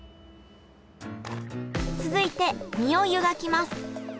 続いて身を湯がきます。